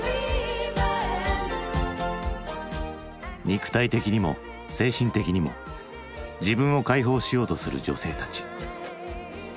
肉体的にも精神的にも自分を解放しようとする女性たち。